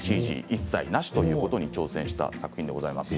一切なしということに挑戦した作品でございます。